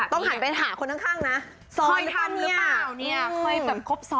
ต้องหาคนข้างนะ